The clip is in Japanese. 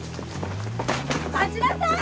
待ちなさい！